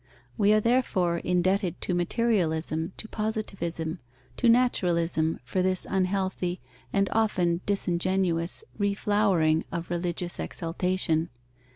We are therefore indebted to materialism, to positivism, to naturalism for this unhealthy and often disingenuous reflowering of religious exaltation.